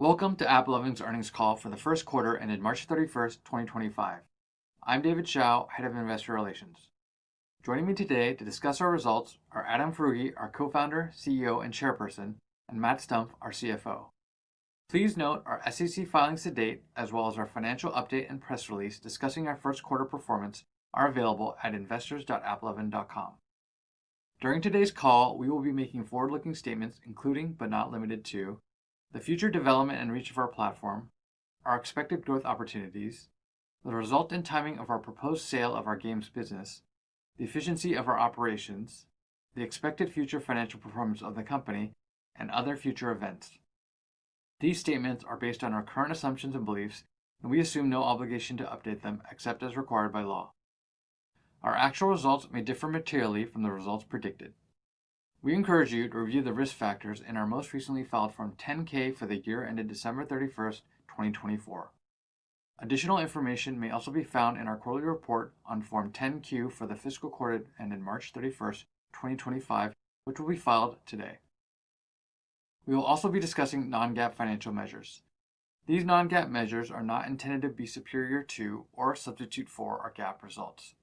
Welcome to AppLovin's Earnings Call For The First Quarter Ended March 31, 2025. I'm David Hsiao, Head of Investor Relations. Joining me today to discuss our results are Adam Foroughi, our Co-Founder, CEO, and Chairperson, and Matt Stumpf, our CFO. Please note our SEC filings to date, as well as our financial update and press release discussing our first quarter performance, are available at investors.applovin.com. During today's call, we will be making forward-looking statements including, but not limited to, the future development and reach of our platform, our expected growth opportunities, the resultant timing of our proposed sale of our games business, the efficiency of our operations, the expected future financial performance of the company, and other future events. These statements are based on our current assumptions and beliefs, and we assume no obligation to update them except as required by law. Our actual results may differ materially from the results predicted. We encourage you to review the risk factors in our most recently filed Form 10-K for the year ended December 31, 2024. Additional information may also be found in our quarterly report on Form 10-Q for the fiscal quarter ended March 31, 2025, which will be filed today. We will also be discussing non-GAAP financial measures. These non-GAAP measures are not intended to be superior to or substitute for our GAAP results.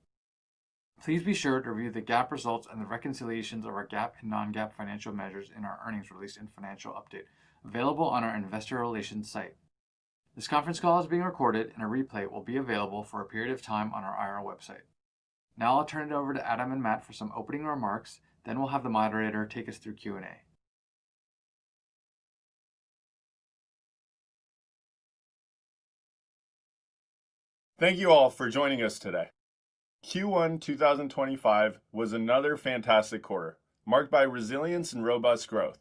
Please be sure to review the GAAP results and the reconciliations of our GAAP and non-GAAP financial measures in our earnings release and financial update available on our Investor Relations site. This conference call is being recorded, and a replay will be available for a period of time on our IR website. Now I'll turn it over to Adam and Matt for some opening remarks, then we'll have the moderator take us through Q&A. Thank you all for joining us today. Q1 2025 was another fantastic quarter marked by resilience and robust growth.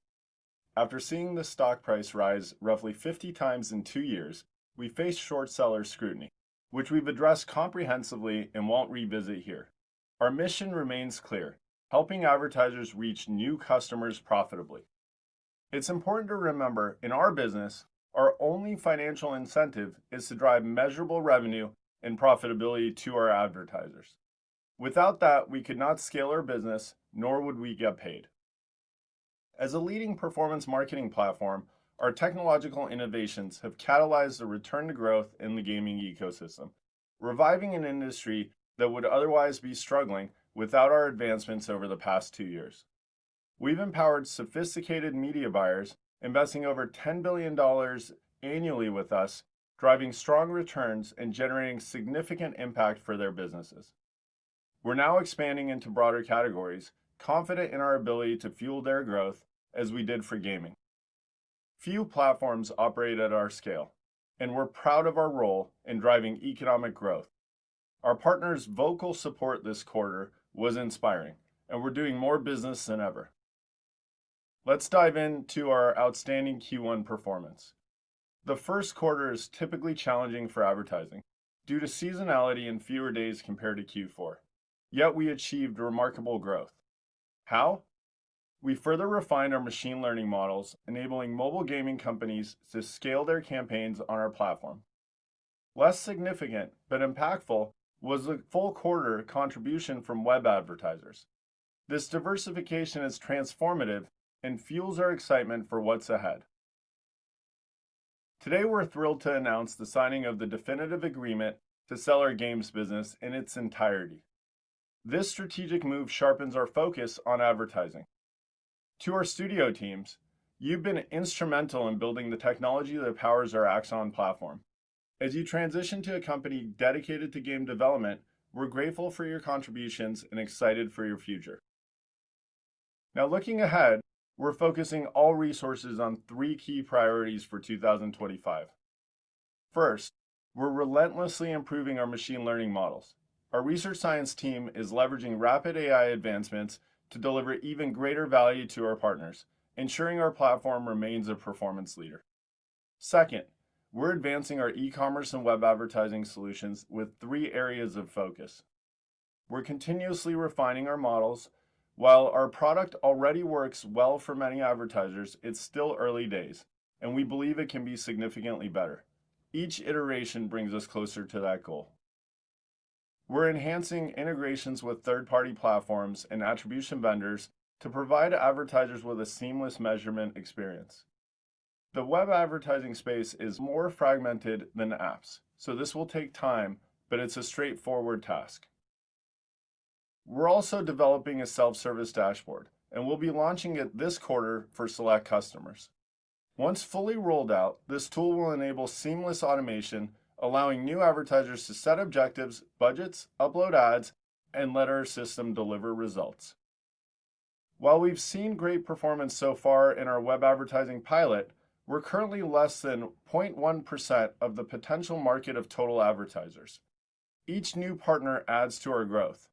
After seeing the stock price rise roughly 50 times in two years, we faced short seller scrutiny, which we've addressed comprehensively and won't revisit here. Our mission remains clear: helping advertisers reach new customers profitably. It's important to remember, in our business, our only financial incentive is to drive measurable revenue and profitability to our advertisers. Without that, we could not scale our business, nor would we get paid. As a leading performance marketing platform, our technological innovations have catalyzed a return to growth in the gaming ecosystem, reviving an industry that would otherwise be struggling without our advancements over the past two years. We've empowered sophisticated media buyers, investing over $10 billion annually with us, driving strong returns and generating significant impact for their businesses. We're now expanding into broader categories, confident in our ability to fuel their growth as we did for gaming. Few platforms operate at our scale, and we're proud of our role in driving economic growth. Our partners' vocal support this quarter was inspiring, and we're doing more business than ever. Let's dive into our outstanding Q1 performance. The first quarter is typically challenging for advertising due to seasonality and fewer days compared to Q4. Yet we achieved remarkable growth. How? We further refined our machine learning models, enabling mobile gaming companies to scale their campaigns on our platform. Less significant, but impactful, was the full quarter contribution from web advertisers. This diversification is transformative and fuels our excitement for what's ahead. Today, we're thrilled to announce the signing of the definitive agreement to sell our games business in its entirety. This strategic move sharpens our focus on advertising. To our studio teams, you have been instrumental in building the technology that powers our Axon platform. As you transition to a company dedicated to game development, we are grateful for your contributions and excited for your future. Now, looking ahead, we are focusing all resources on three key priorities for 2025. First, we are relentlessly improving our machine learning models. Our research science team is leveraging rapid AI advancements to deliver even greater value to our partners, ensuring our platform remains a performance leader. Second, we are advancing our e-commerce and web advertising solutions with three areas of focus. We are continuously refining our models. While our product already works well for many advertisers, it is still early days, and we believe it can be significantly better. Each iteration brings us closer to that goal. We are enhancing integrations with third-party platforms and attribution vendors to provide advertisers with a seamless measurement experience. The web advertising space is more fragmented than apps, so this will take time, but it's a straightforward task. We're also developing a self-service dashboard, and we'll be launching it this quarter for select customers. Once fully rolled out, this tool will enable seamless automation, allowing new advertisers to set objectives, budgets, upload ads, and let our system deliver results. While we've seen great performance so far in our web advertising pilot, we're currently less than 0.1% of the potential market of total advertisers. Each new partner adds to our growth.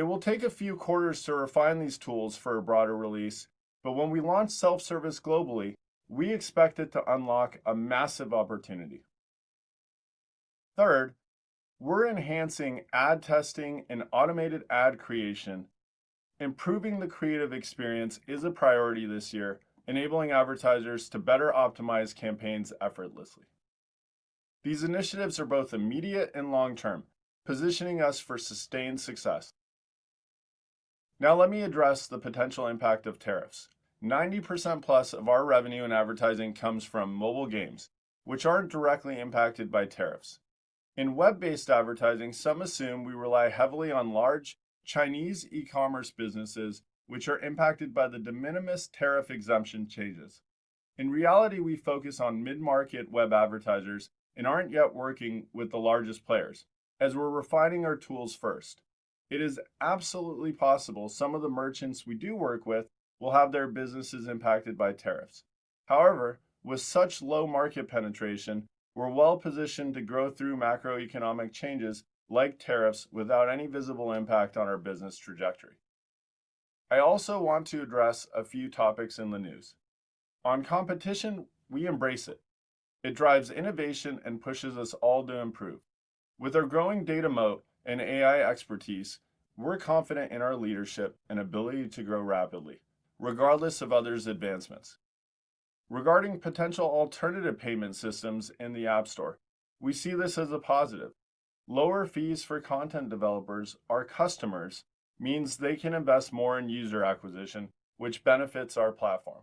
It will take a few quarters to refine these tools for a broader release, but when we launch self-service globally, we expect it to unlock a massive opportunity. Third, we're enhancing ad testing and automated ad creation. Improving the creative experience is a priority this year, enabling advertisers to better optimize campaigns effortlessly. These initiatives are both immediate and long-term, positioning us for sustained success. Now, let me address the potential impact of tariffs. 90%+ of our revenue in advertising comes from mobile games, which are not directly impacted by tariffs. In web-based advertising, some assume we rely heavily on large Chinese e-commerce businesses, which are impacted by the de minimis tariff exemption changes. In reality, we focus on mid-market web advertisers and are not yet working with the largest players. As we are refining our tools first, it is absolutely possible some of the merchants we do work with will have their businesses impacted by tariffs. However, with such low market penetration, we are well positioned to grow through macroeconomic changes like tariffs without any visible impact on our business trajectory. I also want to address a few topics in the news. On competition, we embrace it. It drives innovation and pushes us all to improve. With our growing data moat and AI expertise, we're confident in our leadership and ability to grow rapidly, regardless of others' advancements. Regarding potential alternative payment systems in the App Store, we see this as a positive. Lower fees for content developers, our customers, means they can invest more in user acquisition, which benefits our platform.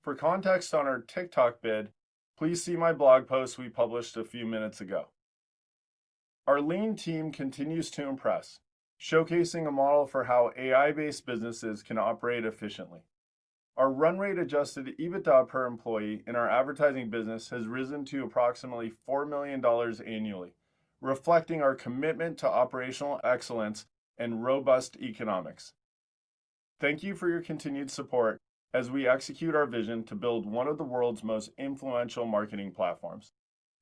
For context on our TikTok bid, please see my blog post we published a few minutes ago. Our lean team continues to impress, showcasing a model for how AI-based businesses can operate efficiently. Our run-rate Adjusted EBITDA per employee in our advertising business has risen to approximately $4 million annually, reflecting our commitment to operational excellence and robust economics. Thank you for your continued support as we execute our vision to build one of the world's most influential marketing platforms.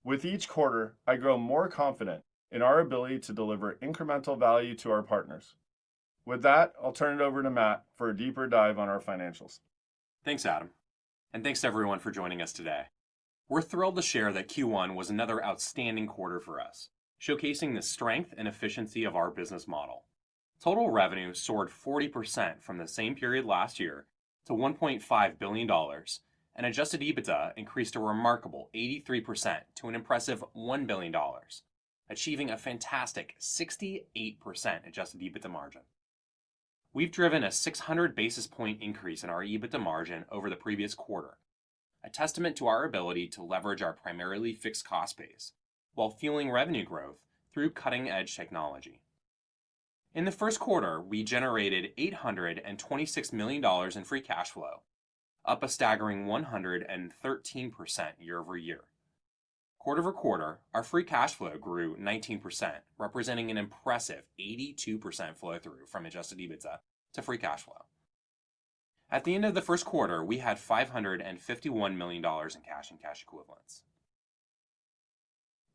With each quarter, I grow more confident in our ability to deliver incremental value to our partners. With that, I'll turn it over to Matt for a deeper dive on our financials. Thanks, Adam. Thanks, everyone, for joining us today. We're thrilled to share that Q1 was another outstanding quarter for us, showcasing the strength and efficiency of our business model. Total revenue soared 40% from the same period last year to $1.5 billion, and Adjusted EBITDA increased a remarkable 83% to an impressive $1 billion, achieving a fantastic 68% Adjusted EBITDA margin. We've driven a 600 basis point increase in our EBITDA margin over the previous quarter, a testament to our ability to leverage our primarily fixed cost base while fueling revenue growth through cutting-edge technology. In the first quarter, we generated $826 million in Free cash flow, up a staggering 113% year over year. Quarter over quarter, our Free cash flow grew 19%, representing an impressive 82% flow-through from Adjusted EBITDA to Fee cash flow. At the end of the first quarter, we had $551 million in cash and cash equivalents.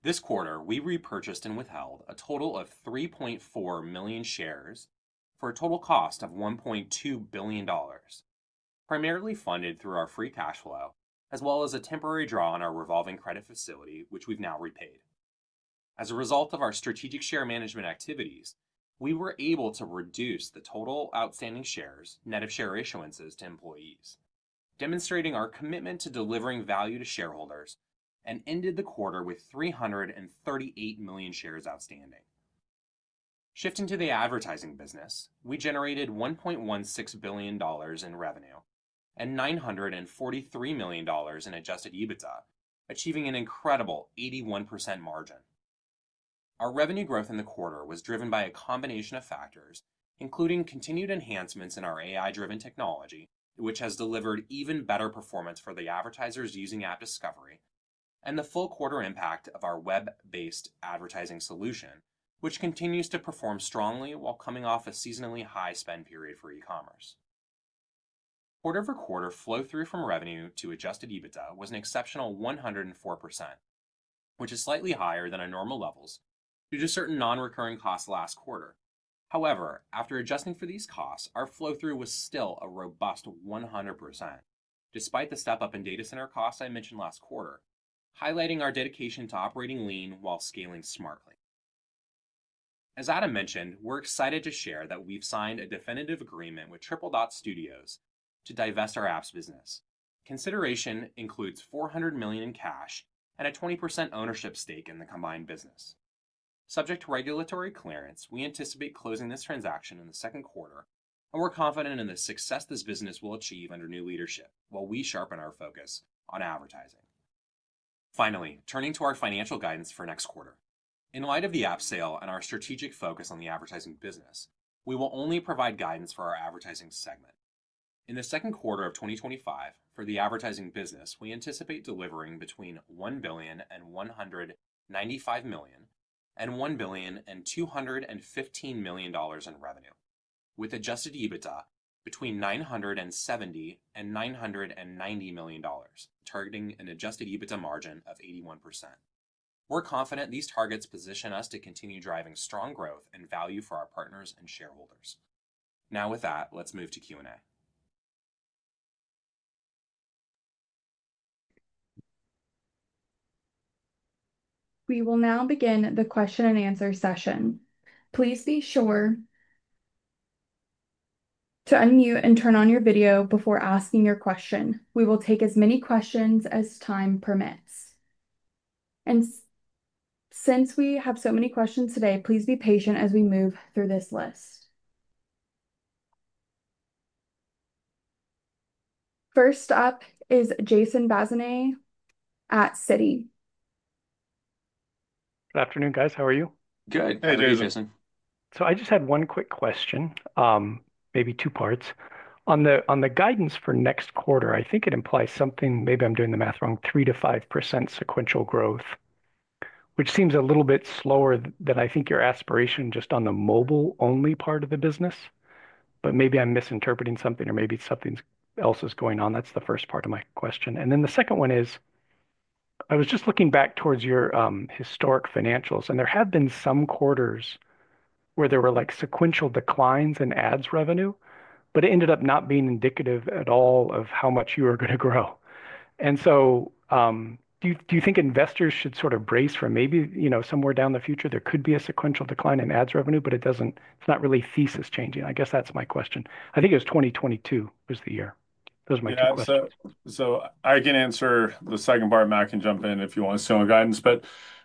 This quarter, we repurchased and withheld a total of 3.4 million shares for a total cost of $1.2 billion, primarily funded through our free cash flow, as well as a temporary draw on our revolving credit facility, which we've now repaid. As a result of our strategic share management activities, we were able to reduce the total outstanding shares net of share issuances to employees, demonstrating our commitment to delivering value to shareholders and ended the quarter with 338 million shares outstanding. Shifting to the advertising business, we generated $1.16 billion in revenue and $943 million in Adjusted EBITDA, achieving an incredible 81% margin. Our revenue growth in the quarter was driven by a combination of factors, including continued enhancements in our AI-driven technology, which has delivered even better performance for the advertisers using App Discovery, and the full quarter impact of our web-based advertising solution, which continues to perform strongly while coming off a seasonally high spend period for E-commerce. Quarter over quarter, flow-through from revenue to Adjusted EBITDA was an exceptional 104%, which is slightly higher than our normal levels due to certain non-recurring costs last quarter. However, after adjusting for these costs, our flow-through was still a robust 100%, despite the step-up in data center costs I mentioned last quarter, highlighting our dedication to operating lean while scaling smartly. As Adam mentioned, we're excited to share that we've signed a definitive agreement with Triple Dot Studios to divest our apps business. Consideration includes $400 million in cash and a 20% ownership stake in the combined business. Subject to regulatory clearance, we anticipate closing this transaction in the second quarter, and we're confident in the success this business will achieve under new leadership while we sharpen our focus on advertising. Finally, turning to our financial guidance for next quarter. In light of the app sale and our strategic focus on the advertising business, we will only provide guidance for our advertising segment. In the second quarter of 2025, for the advertising business, we anticipate delivering between $1,195 million and $1,215 million in revenue, with Adjusted EBITDA between $970 million and $990 million, targeting an Adjusted EBITDA margin of 81%. We're confident these targets position us to continue driving strong growth and value for our partners and shareholders. Now, with that, let's move to Q&A. We will now begin the question and answer session. Please be sure to unmute and turn on your video before asking your question. We will take as many questions as time permits. Since we have so many questions today, please be patient as we move through this list. First up is Jason Bazinet at Citi. Good afternoon, guys. How are you? Good. Hey, Jason. I just had one quick question, maybe two parts. On the guidance for next quarter, I think it implies something—maybe I'm doing the math wrong 3 to 5% sequential growth, which seems a little bit slower than I think your aspiration just on the mobile-only part of the business. Maybe I'm misinterpreting something, or maybe something else is going on. That's the first part of my question. The second one is, I was just looking back towards your historic financials, and there have been some quarters where there were sequential declines in ads revenue, but it ended up not being indicative at all of how much you were going to grow. Do you think investors should brace for maybe somewhere down the future there could be a sequential decline in ads revenue, but it's not really thesis-changing? I guess that's my question. I think it was 2022 was the year. Those are my two questions. Yeah. I can answer the second part. Matt can jump in if you want to show him guidance.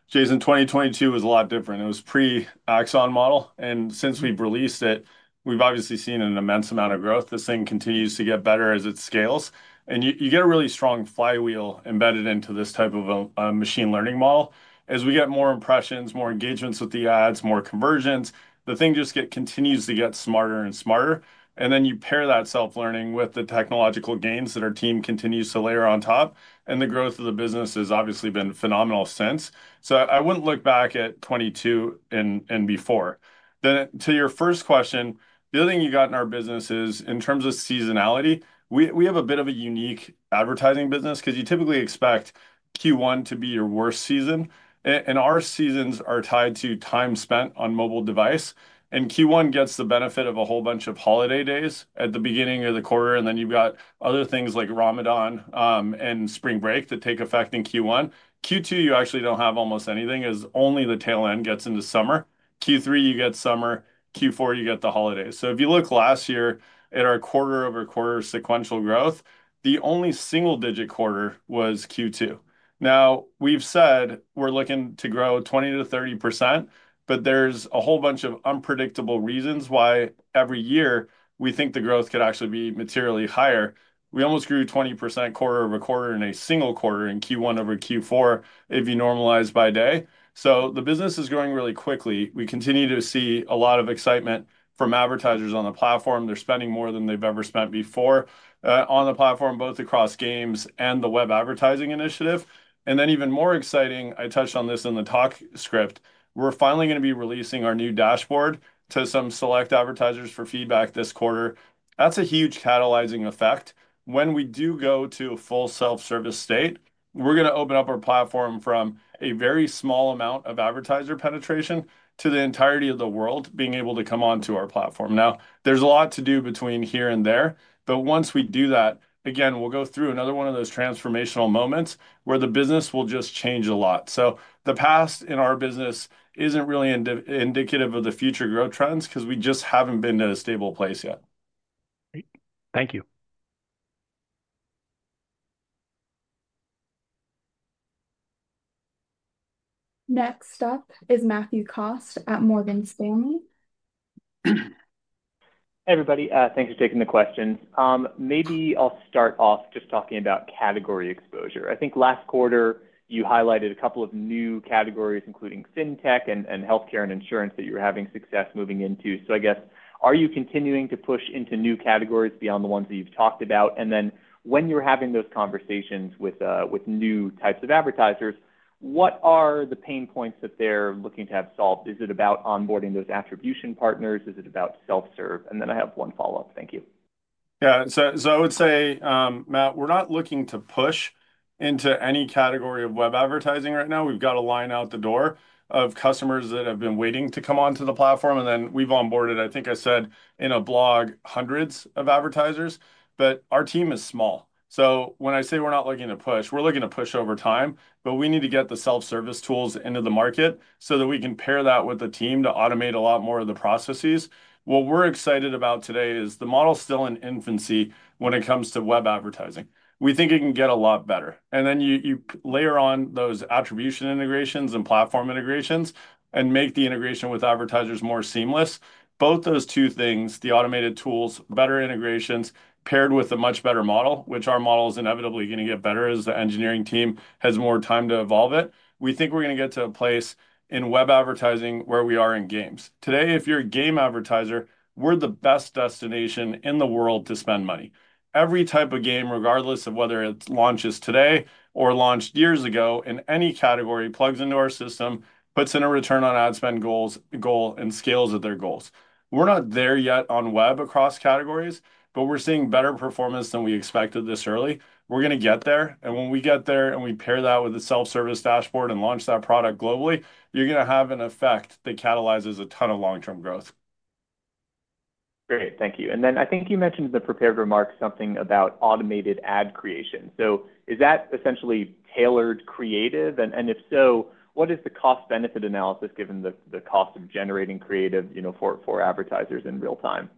Jason, 2022 was a lot different. It was pre-Axon model. Since we've released it, we've obviously seen an immense amount of growth. This thing continues to get better as it scales. You get a really strong flywheel embedded into this type of a machine learning model. As we get more impressions, more engagements with the ads, more conversions, the thing just continues to get smarter and smarter. You pair that self-learning with the technological gains that our team continues to layer on top. The growth of the business has obviously been phenomenal since. I would not look back at 2022 and before. To your first question, the other thing you got in our business is, in terms of seasonality, we have a bit of a unique advertising business because you typically expect Q1 to be your worst season. Our seasons are tied to time spent on mobile device. Q1 gets the benefit of a whole bunch of holiday days at the beginning of the quarter. Then you've got other things like Ramadan and spring break that take effect in Q1. Q2, you actually don't have almost anything as only the tail end gets into summer. Q3, you get summer. Q4, you get the holidays. If you look last year at our quarter-over-quarter sequential growth, the only single-digit quarter was Q2. Now, we've said we're looking to grow 20 to 30%, but there's a whole bunch of unpredictable reasons why every year we think the growth could actually be materially higher. We almost grew 20% quarter-over-quarter in a single quarter in Q1 over Q4 if you normalize by day. The business is growing really quickly. We continue to see a lot of excitement from advertisers on the platform. They're spending more than they've ever spent before on the platform, both across games and the web advertising initiative. Even more exciting, I touched on this in the talk script, we're finally going to be releasing our new dashboard to some select advertisers for feedback this quarter. That's a huge catalyzing effect. When we do go to a full self-service state, we're going to open up our platform from a very small amount of advertiser penetration to the entirety of the world being able to come onto our platform. Now, there's a lot to do between here and there. Once we do that, again, we'll go through another one of those transformational moments where the business will just change a lot. The past in our business isn't really indicative of the future growth trends because we just haven't been to a stable place yet. Great. Thank you. Next up is Matthew Cost at Morgan Stanley. Hey, everybody. Thanks for taking the question. Maybe I'll start off just talking about category exposure. I think last quarter, you highlighted a couple of new categories, including fintech and healthcare and insurance, that you were having success moving into. I guess, are you continuing to push into new categories beyond the ones that you've talked about? When you're having those conversations with new types of advertisers, what are the pain points that they're looking to have solved? Is it about onboarding those attribution partners? Is it about self-serve? I have one follow-up. Thank you. Yeah. I would say, Matt, we're not looking to push into any category of web advertising right now. We've got a line out the door of customers that have been waiting to come onto the platform. We've onboarded, I think I said in a blog, hundreds of advertisers. Our team is small. When I say we're not looking to push, we're looking to push over time. We need to get the self-service tools into the market so that we can pair that with a team to automate a lot more of the processes. What we're excited about today is the model's still in infancy when it comes to web advertising. We think it can get a lot better. You layer on those attribution integrations and platform integrations and make the integration with advertisers more seamless. Both those two things, the automated tools, better integrations paired with a much better model, which our model is inevitably going to get better as the engineering team has more time to evolve it. We think we are going to get to a place in web advertising where we are in games. Today, if you are a game advertiser, we are the best destination in the world to spend money. Every type of game, regardless of whether it launches today or launched years ago in any category, plugs into our system, puts in a return on ad spend goals, and scales at their goals. We are not there yet on web across categories, but we are seeing better performance than we expected this early. We are going to get there. When we get there and we pair that with a self-service dashboard and launch that product globally, you're going to have an effect that catalyzes a ton of long-term growth. Great. Thank you. I think you mentioned in the prepared remark something about automated ad creation. Is that essentially tailored creative? If so, what is the cost-benefit analysis given the cost of generating creative for advertisers in real time?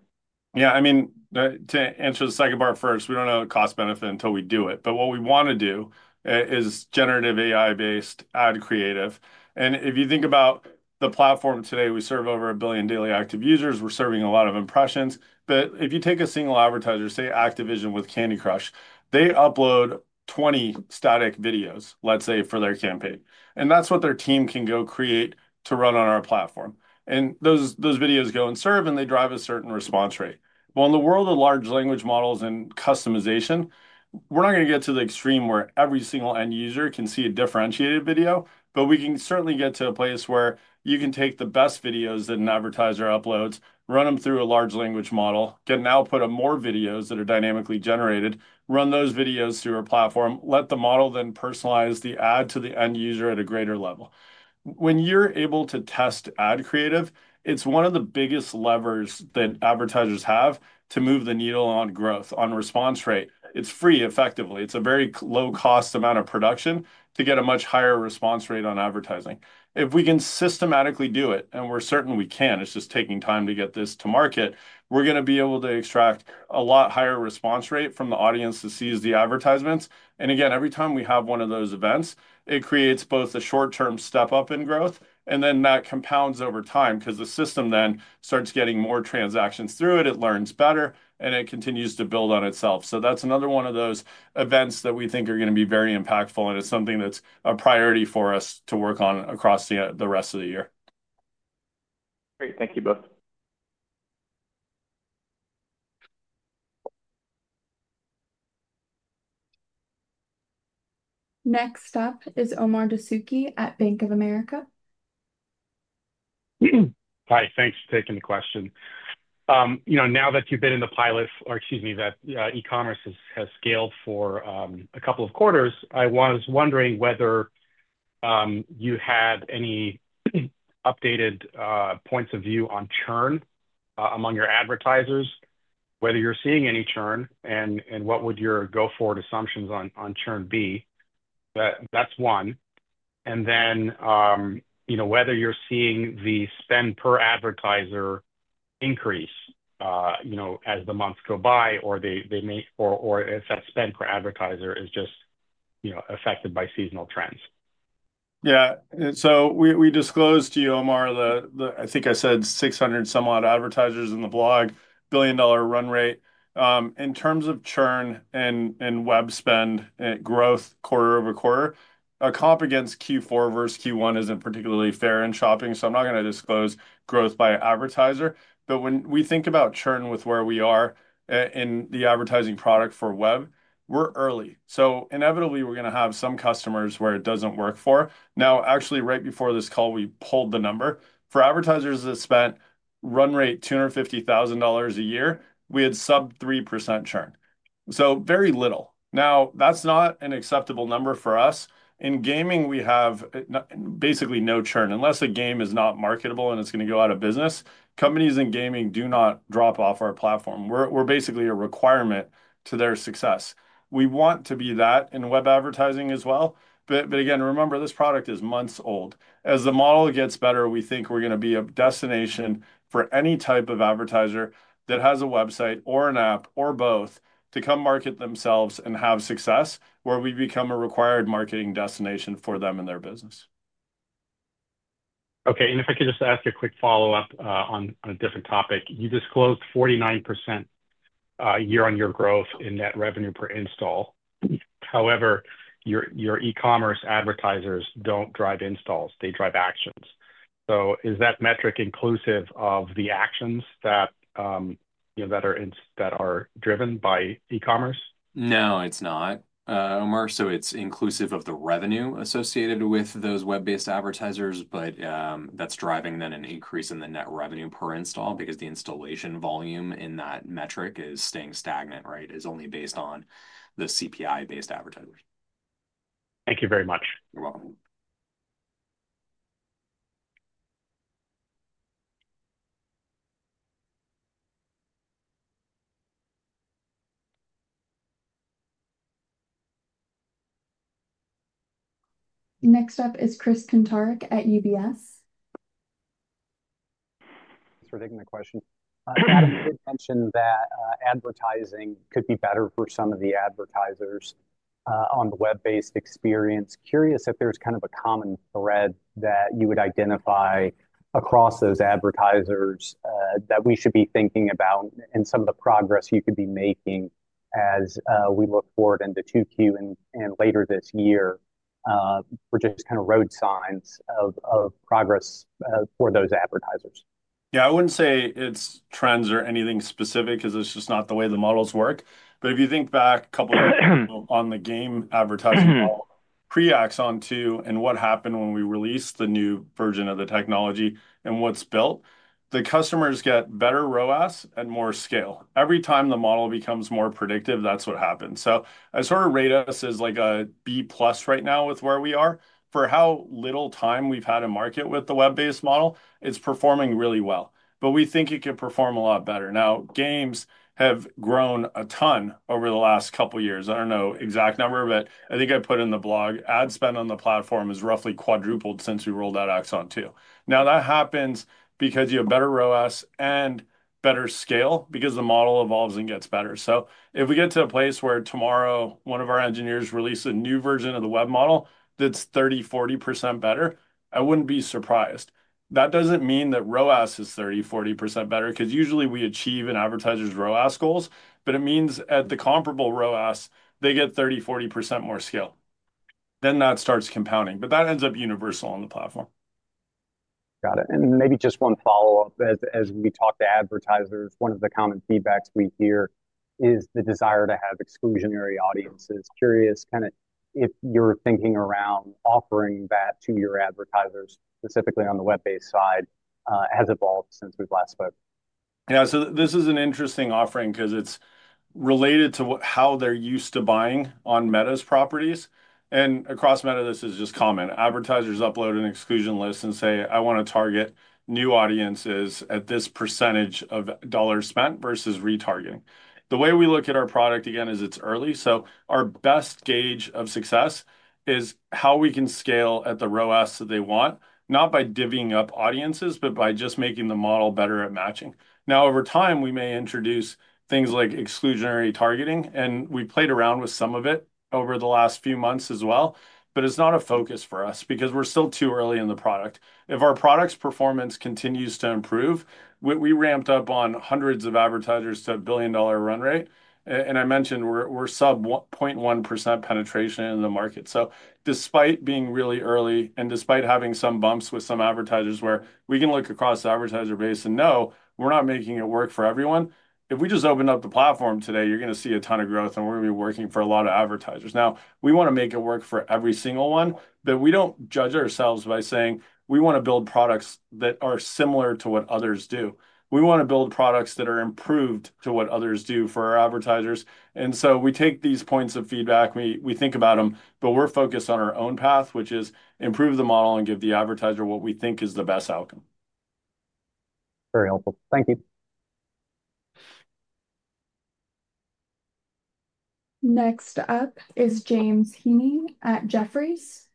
Yeah. I mean, to answer the second part first, we do not have a cost-benefit until we do it. What we want to do is generative AI-based ad creative. If you think about the platform today, we serve over a billion daily active users. We are serving a lot of impressions. If you take a single advertiser, say Activision with Candy Crush, they upload 20 static videos, let's say, for their campaign. That is what their team can go create to run on our platform. Those videos go and serve, and they drive a certain response rate. In the world of large language models and customization, we are not going to get to the extreme where every single end user can see a differentiated video. We can certainly get to a place where you can take the best videos that an advertiser uploads, run them through a large language model, can now put in more videos that are dynamically generated, run those videos through our platform, let the model then personalize the ad to the end user at a greater level. When you're able to test ad creative, it's one of the biggest levers that advertisers have to move the needle on growth, on response rate. It's free, effectively. It's a very low-cost amount of production to get a much higher response rate on advertising. If we can systematically do it, and we're certain we can, it's just taking time to get this to market, we're going to be able to extract a lot higher response rate from the audience that sees the advertisements. Every time we have one of those events, it creates both a short-term step-up in growth, and then that compounds over time because the system then starts getting more transactions through it, it learns better, and it continues to build on itself. That is another one of those events that we think are going to be very impactful. It is something that is a priority for us to work on across the rest of the year. Great. Thank you both. Next up is Omar Dessokuy at Bank of America. Hi. Thanks for taking the question. Now that you've been in the pilot, or excuse me, that e-commerce has scaled for a couple of quarters, I was wondering whether you had any updated points of view on churn among your advertisers, whether you're seeing any churn, and what would your go-forward assumptions on churn be? That's one. Also, whether you're seeing the spend per advertiser increase as the months go by, or if that spend per advertiser is just affected by seasonal trends. Yeah. So we disclosed to you, Omar, I think I said 600-some-odd advertisers in the blog, billion-dollar run rate. In terms of churn and web spend growth quarter over quarter, a comp against Q4 versus Q1 isn't particularly fair in shopping. So I'm not going to disclose growth by advertiser. But when we think about churn with where we are in the advertising product for web, we're early. So inevitably, we're going to have some customers where it doesn't work for. Now, actually, right before this call, we pulled the number. For advertisers that spent run rate $250,000 a year, we had sub 3% churn. So very little. Now, that's not an acceptable number for us. In gaming, we have basically no churn. Unless a game is not marketable and it's going to go out of business, companies in gaming do not drop off our platform. We're basically a requirement to their success. We want to be that in web advertising as well. Again, remember, this product is months old. As the model gets better, we think we're going to be a destination for any type of advertiser that has a website or an app or both to come market themselves and have success, where we become a required marketing destination for them and their business. Okay. If I could just ask a quick follow-up on a different topic. You disclosed 49% year-on-year growth in net revenue per install. However, your E-commerce advertisers do not drive installs. They drive actions. Is that metric inclusive of the actions that are driven by E-commerce? No, it's not, Omar. It's inclusive of the revenue associated with those web-based advertisers, but that's driving then an increase in the net revenue per install because the installation volume in that metric is staying stagnant, right? It's only based on the CPI-based advertisers. Thank you very much. You're welcome. Next up is Chris Kantarik at UBS. Thanks for taking the question. Adam did mention that advertising could be better for some of the advertisers on the web-based experience. Curious if there's kind of a common thread that you would identify across those advertisers that we should be thinking about and some of the progress you could be making as we look forward into Q2 and later this year for just kind of road signs of progress for those advertisers. Yeah. I wouldn't say it's trends or anything specific because it's just not the way the models work. If you think back a couple of years ago on the game advertising model, pre-Axon 2 and what happened when we released the new version of the technology and what's built, the customers get better ROAS and more scale. Every time the model becomes more predictive, that's what happens. I sort of rate us as like a B plus right now with where we are. For how little time we've had to market with the web-based model, it's performing really well. We think it could perform a lot better. Now, games have grown a ton over the last couple of years. I don't know the exact number, but I think I put in the blog, ad spend on the platform has roughly quadrupled since we rolled out Axon 2. Now, that happens because you have better ROAS and better scale because the model evolves and gets better. If we get to a place where tomorrow one of our engineers releases a new version of the web model that's 30% to 40% better, I wouldn't be surprised. That doesn't mean that ROAS is 30% to 40% better because usually we achieve an advertiser's ROAS goals. It means at the comparable ROAS, they get 30% to 40% more scale. That starts compounding. That ends up universal on the platform. Got it. Maybe just one follow-up. As we talk to advertisers, one of the common feedbacks we hear is the desire to have exclusionary audiences. Curious kind of if your thinking around offering that to your advertisers, specifically on the web-based side, has evolved since we've last spoken. Yeah. So this is an interesting offering because it's related to how they're used to buying on Meta's properties. And across Meta, this is just common. Advertisers upload an exclusion list and say, "I want to target new audiences at this % of dollars spent versus retargeting." The way we look at our product again is it's early. So our best gauge of success is how we can scale at the ROAS that they want, not by divvying up audiences, but by just making the model better at matching. Now, over time, we may introduce things like exclusionary targeting. And we played around with some of it over the last few months as well. But it's not a focus for us because we're still too early in the product. If our product's performance continues to improve, we ramped up on hundreds of advertisers to a billion-dollar run rate. I mentioned we're sub 0.1% penetration in the market. Despite being really early and despite having some bumps with some advertisers where we can look across the advertiser base and know we're not making it work for everyone, if we just open up the platform today, you're going to see a ton of growth, and we're going to be working for a lot of advertisers. We want to make it work for every single one. We do not judge ourselves by saying we want to build products that are similar to what others do. We want to build products that are improved to what others do for our advertisers. We take these points of feedback. We think about them, but we're focused on our own path, which is improve the model and give the advertiser what we think is the best outcome. Very helpful. Thank you. Next up is James Heaney at Jefferies.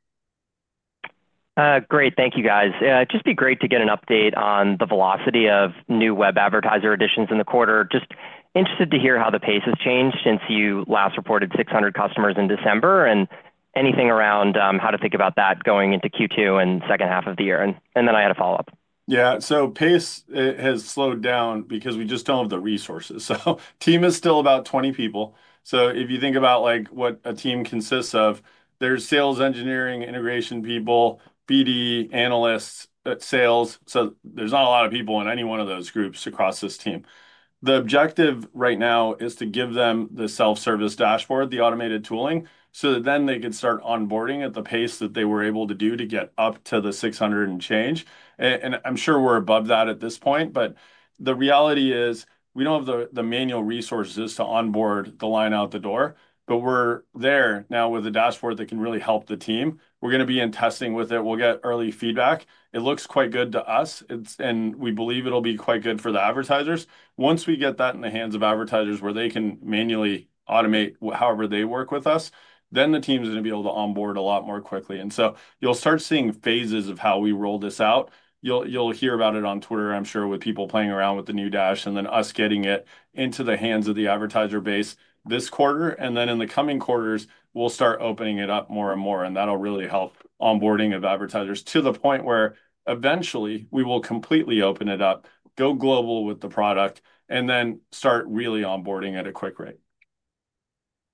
Great. Thank you, guys. It'd just be great to get an update on the velocity of new web advertiser additions in the quarter. Just interested to hear how the pace has changed since you last reported 600 customers in December and anything around how to think about that going into Q2 and second half of the year. I had a follow-up. Yeah. Pace has slowed down because we just do not have the resources. The team is still about 20 people. If you think about what a team consists of, there is sales engineering, integration people, BD analysts, sales. There are not a lot of people in any one of those groups across this team. The objective right now is to give them the self-service dashboard, the automated tooling, so that then they could start onboarding at the pace that they were able to do to get up to the 600 and change. I am sure we are above that at this point. The reality is we do not have the manual resources to onboard the line out the door. We are there now with a dashboard that can really help the team. We are going to be in testing with it. We will get early feedback. It looks quite good to us. We believe it'll be quite good for the advertisers. Once we get that in the hands of advertisers where they can manually automate however they work with us, the team's going to be able to onboard a lot more quickly. You will start seeing phases of how we roll this out. You will hear about it on Twitter, I'm sure, with people playing around with the new dash and then us getting it into the hands of the advertiser base this quarter. In the coming quarters, we will start opening it up more and more. That will really help onboarding of advertisers to the point where eventually we will completely open it up, go global with the product, and then start really onboarding at a quick rate.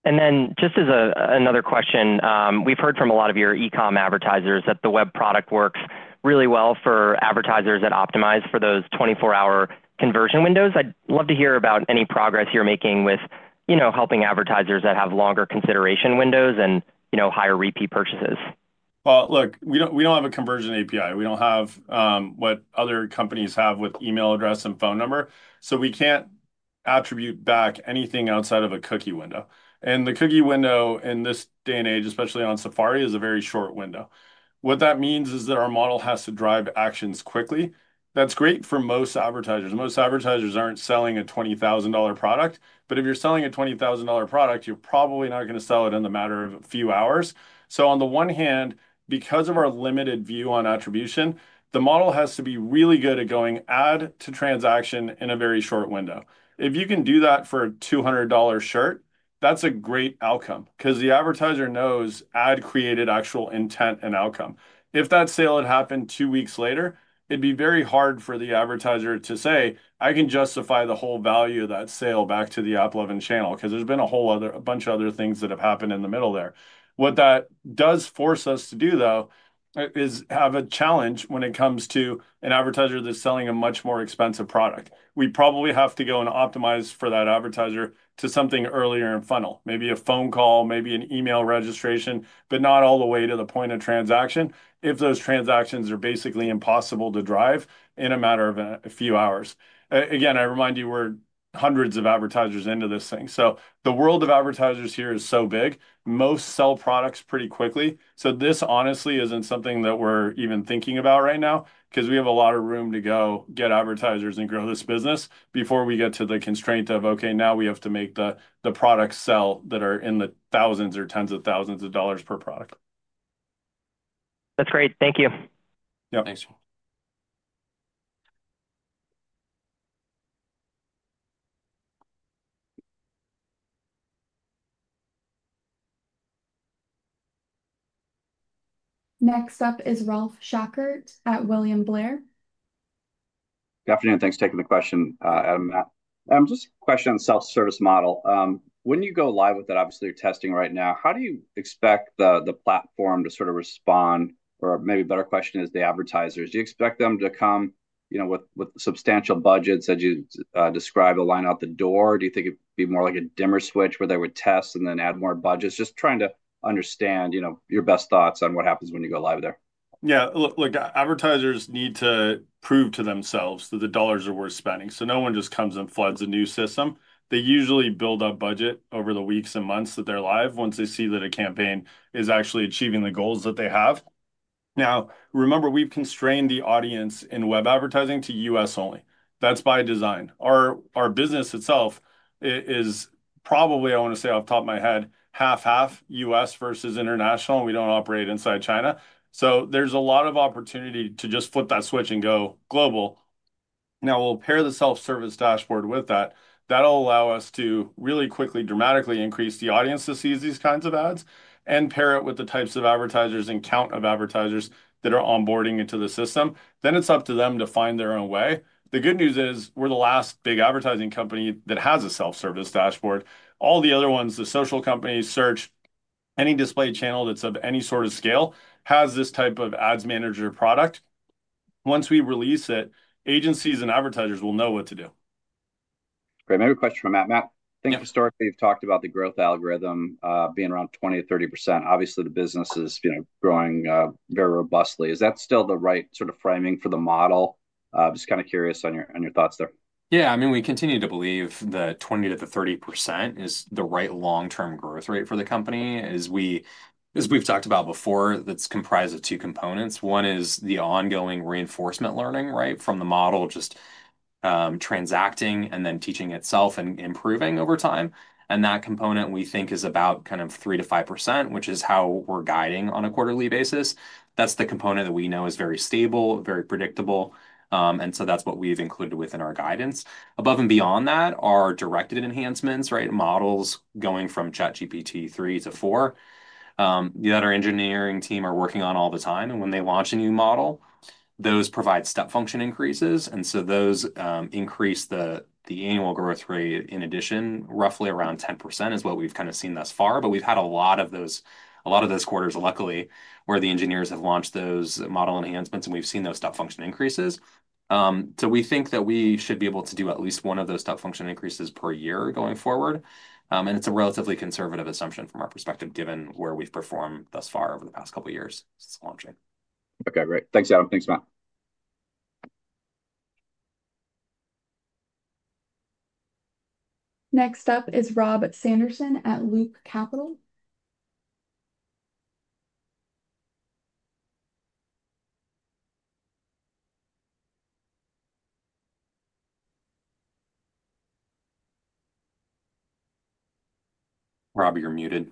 Just as another question, we've heard from a lot of your E-com advertisers that the web product works really well for advertisers that optimize for those 24-hour conversion windows. I'd love to hear about any progress you're making with helping advertisers that have longer consideration windows and higher repeat purchases. Look, we do not have a conversion API. We do not have what other companies have with email address and phone number. We cannot attribute back anything outside of a cookie window. The cookie window in this day and age, especially on Safari, is a very short window. What that means is that our model has to drive actions quickly. That is great for most advertisers. Most advertisers are not selling a $20,000 product. If you are selling a $20,000 product, you are probably not going to sell it in the matter of a few hours. On the one hand, because of our limited view on attribution, the model has to be really good at going ad to transaction in a very short window. If you can do that for a $200 shirt, that is a great outcome because the advertiser knows ad created actual intent and outcome. If that sale had happened two weeks later, it'd be very hard for the advertiser to say, "I can justify the whole value of that sale back to the AppLovin channel because there's been a whole bunch of other things that have happened in the middle there." What that does force us to do, though, is have a challenge when it comes to an advertiser that's selling a much more expensive product. We probably have to go and optimize for that advertiser to something earlier in funnel, maybe a phone call, maybe an email registration, but not all the way to the point of transaction if those transactions are basically impossible to drive in a matter of a few hours. Again, I remind you we're hundreds of advertisers into this thing. So the world of advertisers here is so big. Most sell products pretty quickly. This honestly isn't something that we're even thinking about right now because we have a lot of room to go get advertisers and grow this business before we get to the constraint of, "Okay, now we have to make the products sell that are in the thousands or tens of thousands of dollars per product. That's great. Thank you. Yeah. Thanks. Next up is Ralph Schackart at William Blair. Good afternoon. Thanks for taking the question, Adam and Matt. Just a question on the self-service model. When you go live with it, obviously you're testing right now, how do you expect the platform to sort of respond? Or maybe a better question is the advertisers. Do you expect them to come with substantial budgets as you describe the line out the door? Do you think it'd be more like a dimmer switch where they would test and then add more budgets? Just trying to understand your best thoughts on what happens when you go live there. Yeah. Look, advertisers need to prove to themselves that the dollars are worth spending. No one just comes and floods a new system. They usually build up budget over the weeks and months that they're live once they see that a campaign is actually achieving the goals that they have. Now, remember, we've constrained the audience in web advertising to U.S. only. That's by design. Our business itself is probably, I want to say off the top of my head, half-half U.S. versus international. We do not operate inside China. There is a lot of opportunity to just flip that switch and go global. Now, we'll pair the self-service dashboard with that. That will allow us to really quickly, dramatically increase the audience to see these kinds of ads and pair it with the types of advertisers and count of advertisers that are onboarding into the system. It is up to them to find their own way. The good news is we're the last big advertising company that has a self-service dashboard. All the other ones, the social companies, Search, any display channel that's of any sort of scale has this type of ads manager product. Once we release it, agencies and advertisers will know what to do. Great. Maybe a question for Matt, Matt. Think historically you've talked about the growth algorithm being around 20% to 30%. Obviously, the business is growing very robustly. Is that still the right sort of framing for the model? Just kind of curious on your thoughts there. Yeah. I mean, we continue to believe the 20% to 30% is the right long-term growth rate for the company. As we've talked about before, that's comprised of two components. One is the ongoing reinforcement learning, right, from the model, just transacting and then teaching itself and improving over time. That component, we think, is about kind of 3% to 5%, which is how we're guiding on a quarterly basis. That's the component that we know is very stable, very predictable. That's what we've included within our guidance. Above and beyond that are directed enhancements, right, models going from ChatGPT 3 to 4 that our engineering team are working on all the time. When they launch a new model, those provide step function increases. Those increase the annual growth rate. In addition, roughly around 10% is what we have kind of seen thus far. We have had a lot of those quarters, luckily, where the engineers have launched those model enhancements, and we have seen those step function increases. We think that we should be able to do at least one of those step function increases per year going forward. It is a relatively conservative assumption from our perspective given where we have performed thus far over the past couple of years since launching. Okay. Great. Thanks, Adam. Thanks, Matt. Next up is Rob Sanderson at Loop Capital. Rob, you're muted.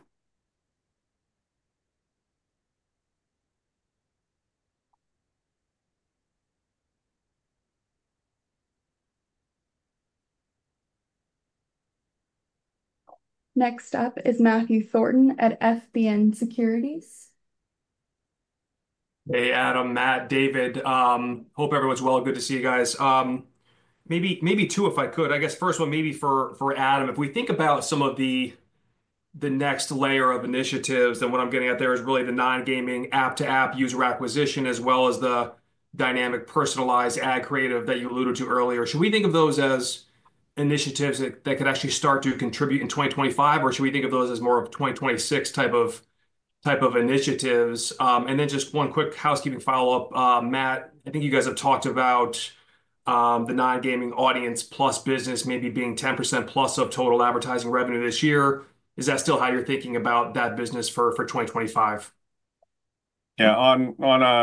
Next up is Matthew Thornton at FBN Securities. Hey, Adam, Matt, David. Hope everyone's well. Good to see you guys. Maybe two if I could. I guess first one, maybe for Adam. If we think about some of the next layer of initiatives, and what I'm getting at there is really the non-gaming app-to-app user acquisition as well as the dynamic personalized ad creative that you alluded to earlier. Should we think of those as initiatives that could actually start to contribute in 2025, or should we think of those as more of 2026 type of initiatives? Then just one quick housekeeping follow-up, Matt. I think you guys have talked about the non-gaming audience plus business maybe being 10% plus of total advertising revenue this year. Is that still how you're thinking about that business for 2025? Yeah. On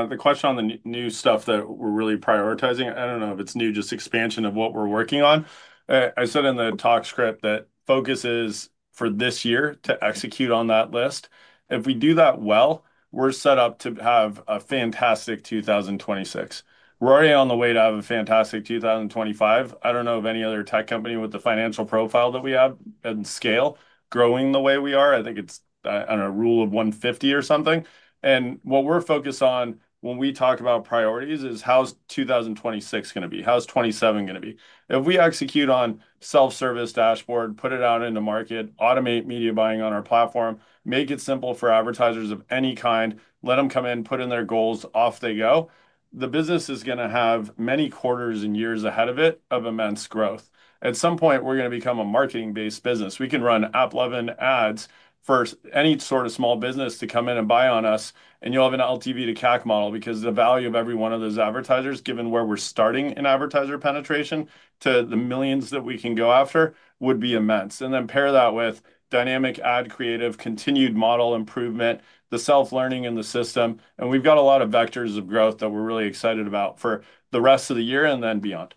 the question on the new stuff that we're really prioritizing, I don't know if it's new, just expansion of what we're working on. I said in the talk script that focus is for this year to execute on that list. If we do that well, we're set up to have a fantastic 2026. We're already on the way to have a fantastic 2025. I don't know of any other tech company with the financial profile that we have and scale growing the way we are. I think it's on a rule of 150 or something. What we're focused on when we talk about priorities is how's 2026 going to be? How's 2027 going to be? If we execute on self-service dashboard, put it out into market, automate media buying on our platform, make it simple for advertisers of any kind, let them come in, put in their goals, off they go, the business is going to have many quarters and years ahead of it of immense growth. At some point, we're going to become a marketing-based business. We can run AppLovin ads for any sort of small business to come in and buy on us. You'll have an LTV to CAC model because the value of every one of those advertisers, given where we're starting in advertiser penetration to the millions that we can go after, would be immense. Then pair that with dynamic ad creative, continued model improvement, the self-learning in the system. We have got a lot of vectors of growth that we are really excited about for the rest of the year and then beyond.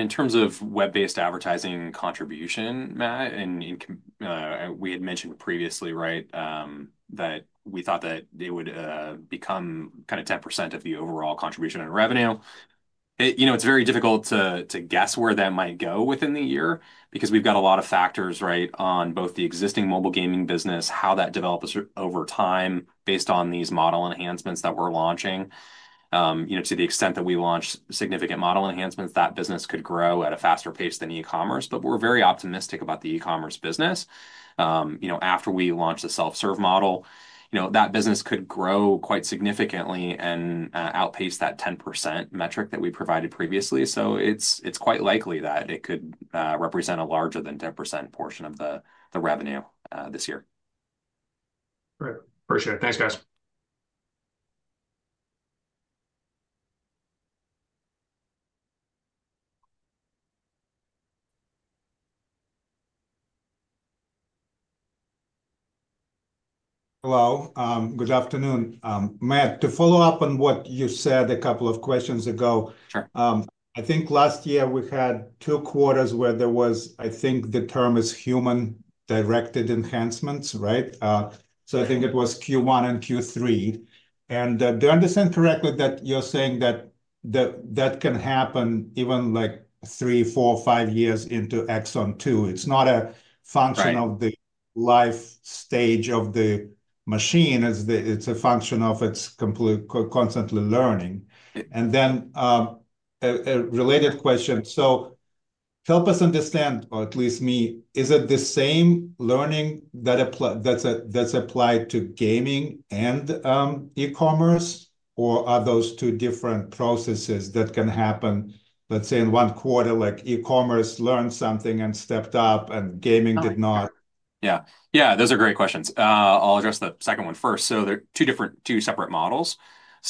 In terms of web-based advertising contribution, Matt, we had mentioned previously, right, that we thought that it would become kind of 10% of the overall contribution in revenue. It's very difficult to guess where that might go within the year because we've got a lot of factors, right, on both the existing mobile gaming business, how that develops over time based on these model enhancements that we're launching. To the extent that we launch significant model enhancements, that business could grow at a faster pace than E-commerce. We're very optimistic about the E-commerce business. After we launch the self-serve model, that business could grow quite significantly and outpace that 10% metric that we provided previously. It's quite likely that it could represent a larger than 10% portion of the revenue this year. Great. Appreciate it. Thanks, guys. Hello. Good afternoon. Matt, to follow up on what you said a couple of questions ago, I think last year we had two quarters where there was, I think the term is human-directed enhancements, right? I think it was Q1 and Q3. Do I understand correctly that you're saying that that can happen even like three, four, five years into Axon 2.0? It's not a function of the life stage of the machine. It's a function of it's constantly learning. A related question. Help us understand, or at least me, is it the same learning that's applied to gaming and e-commerce, or are those two different processes that can happen, let's say, in one quarter, like e-commerce learned something and stepped up and gaming did not? Yeah. Yeah. Those are great questions. I'll address the second one first. There are two separate models.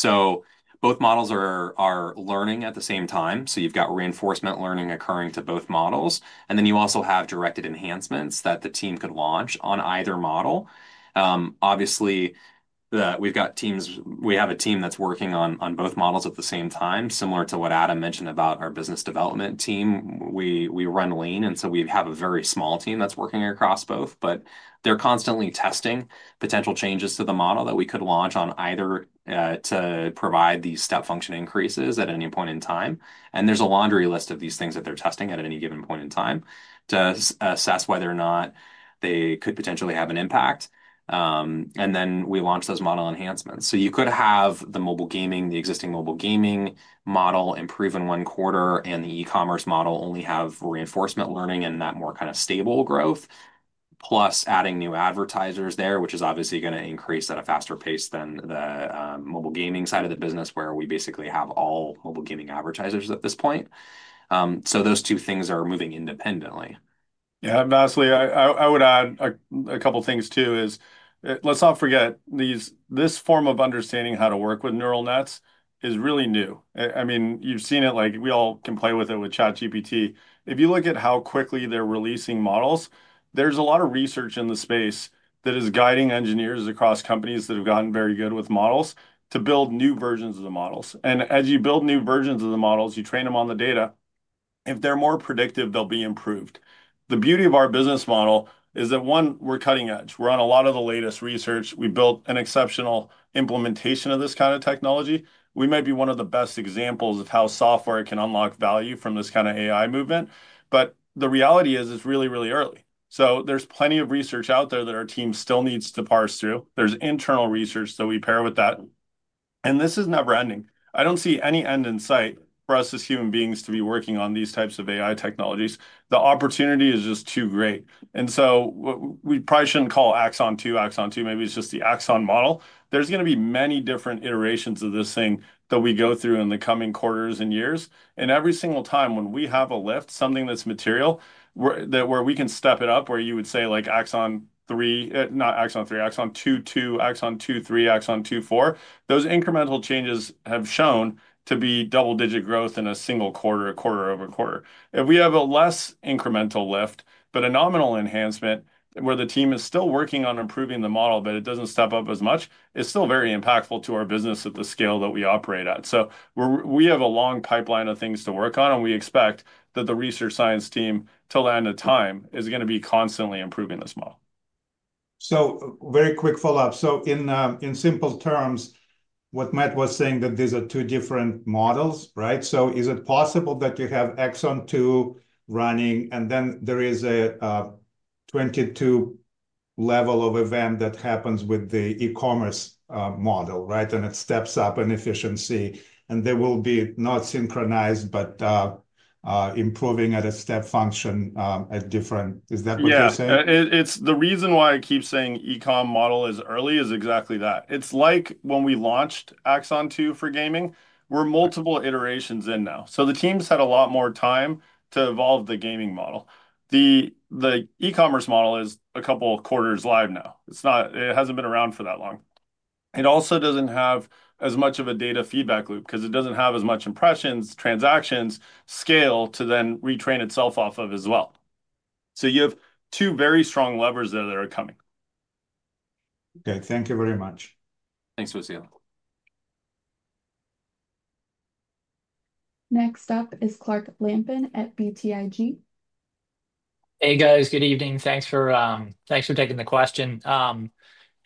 Both models are learning at the same time. You've got reinforcement learning occurring to both models. You also have directed enhancements that the team could launch on either model. Obviously, we have a team that's working on both models at the same time, similar to what Adam mentioned about our business development team. We run lean. We have a very small team that's working across both. They're constantly testing potential changes to the model that we could launch on either to provide these step function increases at any point in time. There's a laundry list of these things that they're testing at any given point in time to assess whether or not they could potentially have an impact. We launch those model enhancements. You could have the existing mobile gaming model improved in one quarter, and the E-commerce model only have reinforcement learning and that more kind of stable growth, plus adding new advertisers there, which is obviously going to increase at a faster pace than the mobile gaming side of the business where we basically have all mobile gaming advertisers at this point. Those two things are moving independently. Yeah. Lastly, I would add a couple of things too is let's not forget this form of understanding how to work with neural nets is really new. I mean, you've seen it. We all can play with it with ChatGPT. If you look at how quickly they're releasing models, there's a lot of research in the space that is guiding engineers across companies that have gotten very good with models to build new versions of the models. As you build new versions of the models, you train them on the data. If they're more predictive, they'll be improved. The beauty of our business model is that, one, we're cutting edge. We're on a lot of the latest research. We built an exceptional implementation of this kind of technology. We might be one of the best examples of how software can unlock value from this kind of AI movement. The reality is it's really, really early. There is plenty of research out there that our team still needs to parse through. There is internal research that we pair with that. This is never-ending. I do not see any end in sight for us as human beings to be working on these types of AI technologies. The opportunity is just too great. We probably should not call Axon 2.0, Axon 2.0. Maybe it is just the Axon model. There are going to be many different iterations of this thing that we go through in the coming quarters and years. Every single time when we have a lift, something that's material where we can step it up, where you would say like Axon 2.0, not Axon 3, Axon 2.0, 2, Axon 2.0, 3, Axon 2.0, 4, those incremental changes have shown to be double-digit growth in a single quarter, quarter over quarter. If we have a less incremental lift, but a nominal enhancement where the team is still working on improving the model, but it doesn't step up as much, it's still very impactful to our business at the scale that we operate at. We have a long pipeline of things to work on, and we expect that the research science team, to land a time, is going to be constantly improving this model. Very quick follow-up. In simple terms, what Matt was saying, that these are two different models, right? Is it possible that you have Axon 2.0 running, and then there is a 22 level of event that happens with the E-commerce model, right? It steps up in efficiency, and they will be not synchronized, but improving at a step function at different. Is that what you're saying? Yeah. The reason why I keep saying E-com model is early is exactly that. It's like when we launched Axon 2.0 for gaming, we're multiple iterations in now. So the team's had a lot more time to evolve the gaming model. The E-commerce model is a couple of quarters live now. It hasn't been around for that long. It also doesn't have as much of a data feedback loop because it doesn't have as much impressions, transactions, scale to then retrain itself off of as well. You have two very strong levers there that are coming. Okay. Thank you very much. Thanks, Waseem. Next up is Clark Lampin at BTIG. Hey, guys. Good evening. Thanks for taking the question.